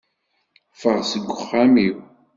Ffeɣ seg uxxam-iw!